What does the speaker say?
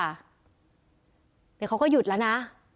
เดี๋ยวเขาก็หยุดแล้วนะ